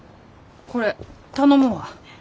これ頼むわ。